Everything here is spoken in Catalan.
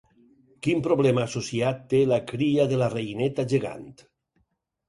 Quin problema associat té la cria de la reineta gegant?